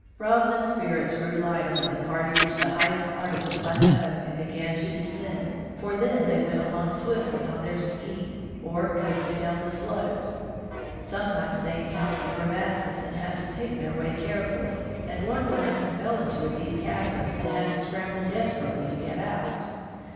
Ravna's spirits grew lighter when the party reached the highest part of the plateau and began to descend, for then they went along swiftly on their ski, or coasted down the slopes. Sometimes they encountered crevasses and had to pick their way carefully, and once Nansen fell into a deep chasm and had to scramble desperately to get out.